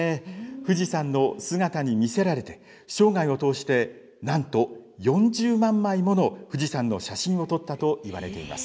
富士山の姿に魅せられて、生涯を通してなんと、４０万枚もの富士山の写真を撮ったといわれています。